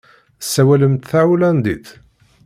Tessawalemt tahulandit?